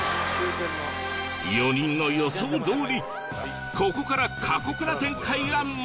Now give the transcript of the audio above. ４人の予想どおりここから過酷な展開が待っていた！